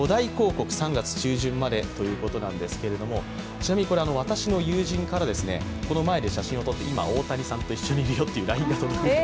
ちなみに私の友人からこの前で写真を撮って今、大谷さんと一緒にいるよというＬＩＮＥが届きました。